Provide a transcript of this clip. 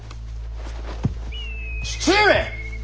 父上！